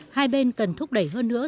hai bên cần thúc đẩy hơn nữa